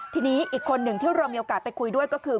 ทีนี้อีกคนหนึ่งที่เรามีโอกาสไปคุยด้วยก็คือ